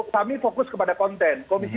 kami fokus kepada konten komisi